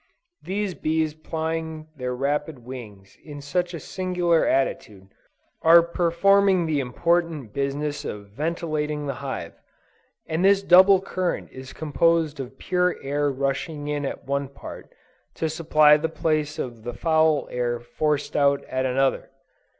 These bees plying their rapid wings in such a singular attitude, are performing the important business of ventilating the hive; and this double current is composed of pure air rushing in at one part, to supply the place of the foul air forced out at another.